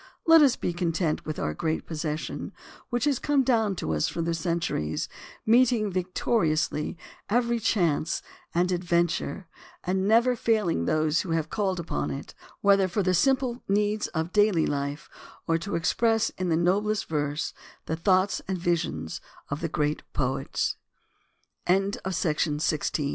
Let us be content with our great possession, which has come down to us through the centuries, meeting victoriously every chance and adventure and never failing those who have called upon it, whether for the simple needs of daily life or to express in the noblest verse the thoughts and visions of